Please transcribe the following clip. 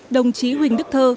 đồng chí huỳnh đức thơ